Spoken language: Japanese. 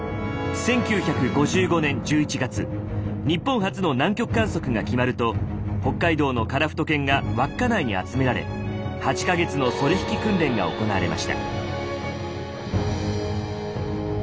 １９５５年１１月日本初の南極観測が決まると北海道のカラフト犬が稚内に集められ８か月のソリ引き訓練が行われました。